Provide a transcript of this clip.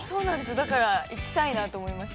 だから、行きたいなと思いました。